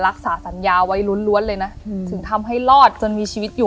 รักษาสัญญาไว้ล้วนเลยนะถึงทำให้รอดจนมีชีวิตอยู่